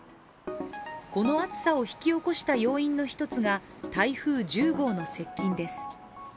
この暑さを引き起こした要因の１つが台風１０号の接近です。